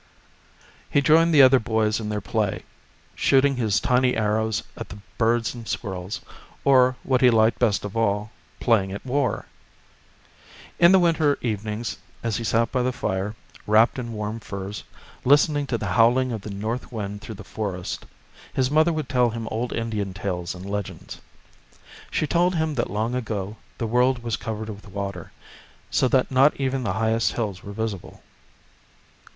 He joined the other boys in their play, shooting his tiny arrows at the birds and squirrels, or, what he liked best of all, playing at war. In the winter evenings as he sat by the fire, wrapped in warm furs, listening to the howling of the north wind through the forest, his mother 14 The Birth of Tecumseh would tell him old Indian tales and legends. She told him that long ago the world was covered with water, so that not even the highest hills were visible.